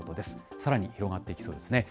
さらに広まっていきそうですね。